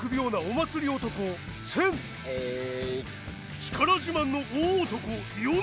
力自慢の大男ヨネ。